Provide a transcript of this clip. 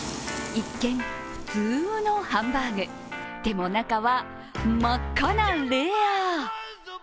一見、普通のハンバーグでも、中は真っ赤なレア。